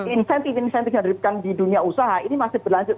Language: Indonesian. insentif insentif yang diberikan di dunia usaha ini masih berlanjut